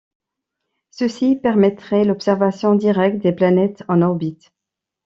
Ceci permettrait l'observation directe des planètes en orbite.